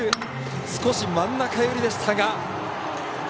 少し真ん中寄りでしたが。